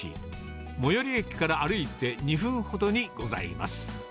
最寄駅から歩いて２分ほどにございます。